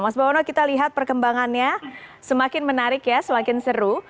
mas bawono kita lihat perkembangannya semakin menarik ya semakin seru